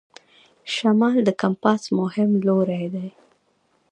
شمال د کمپاس مهم لوری دی.